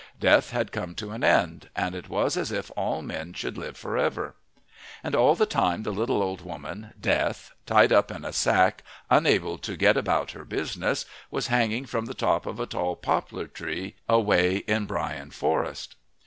Death had come to an end, and it was as if all men would live for ever. And all the time the little old woman, Death, tied up in a sack, unable to get about her business, was hanging from the top of a tall poplar tree away in Brian forest.